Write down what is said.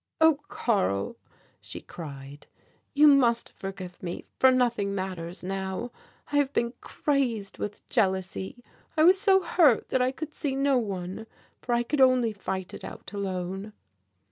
"Oh, Karl," she cried, "you must forgive me, for nothing matters now I have been crazed with jealousy. I was so hurt that I could see no one, for I could only fight it out alone."